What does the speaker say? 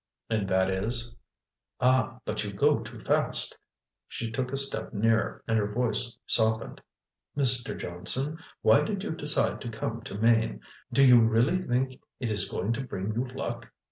"And that is?" "Ah! but you go too fast!" She took a step nearer and her voice softened. "Mr. Johnson, why did you decide to come to Maine? Do you really think it is going to bring you luck?"